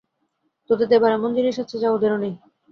তোদের দেবার এমন জিনিষ আছে, যা ওদেরও নেই।